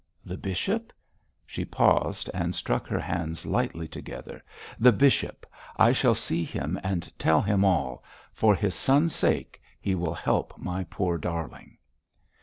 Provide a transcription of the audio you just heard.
The bishop?' She paused and struck her hands lightly together. 'The bishop! I shall see him and tell him all. For his son's sake, he will help my poor darling.'